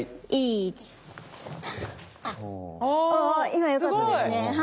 今よかったですね。